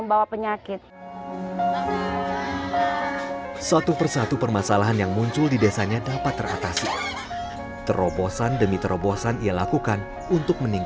daging rajungan segar dari desa ini